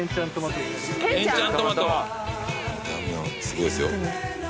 すごいですよ。